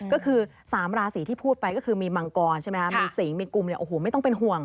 ก็คือ๓ราศีที่พูดไปก็คือมีมังกรใช่ไหมครับมีสีมีกลุ่มเนี่ยโอ้โหไม่ต้องเป็นห่วง